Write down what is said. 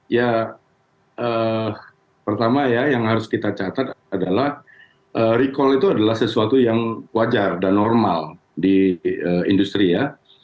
ya pertama ya yang harus kita catat adalah recall itu adalah sesuatu yang wajar dan normal di industri ya